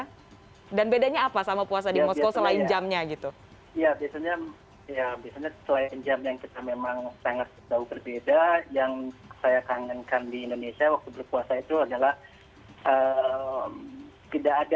puasa di indonesia dan bedanya apa sama puasa di moskow selain jamnya gitu ya biasanya ya biasanya